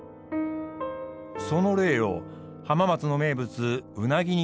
その例を浜松の名物うなぎに見ることができます。